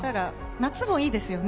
夏もいいですよね。